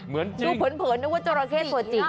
เหมือนจริงดูเผินนึกว่าจราแข้ตัวจริง